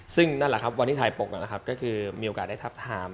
ซึ่งนั่นแหละครับวันที่ถ่ายปกนะครับก็คือมีโอกาสได้ทับทาม